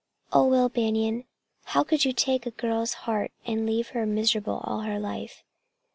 "Oh, Will Banion, how could you take away a girl's heart and leave her miserable all her life?"